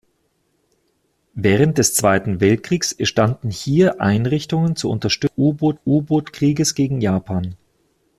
Während des Zweiten Weltkriegs entstanden hier Einrichtungen zur Unterstützung des U-Boot-Krieges gegen Japan.